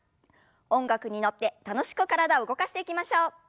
音楽に乗って楽しく体動かしていきましょう。